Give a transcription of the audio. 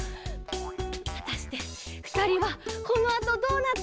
はたしてふたりはこのあとどうなっていくのか！？